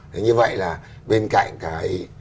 thế như vậy là bên cạnh cái